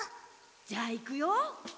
じゃあいくよ。